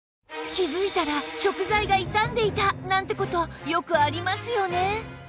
気づいたら食材が傷んでいたなんて事よくありますよね